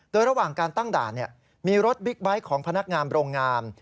โดยระหว่างการตั้งด่านมีรถบิ๊กไบท์ของพนักงานโรงงาน